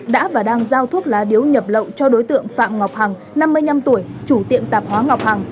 đã và đang giao thuốc lá điếu nhập lậu cho đối tượng phạm ngọc hằng năm mươi năm tuổi chủ tiệm tạp hóa ngọc hằng